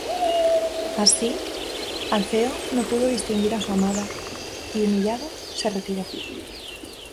Así, Alfeo no pudo distinguir a su amada y, humillado, se retiró.